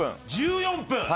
１４分？